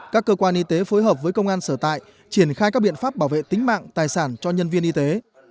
các cơ quan y tế phối hợp với công an sở tại triển khai các biện pháp bảo vệ tính mạng tài sản cho nhân viên y tế